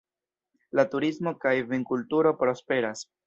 La turismo kaj vinkulturo prosperas.